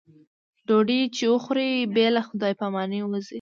ډوډۍ چې وخوري بې له خدای په امانۍ وځي.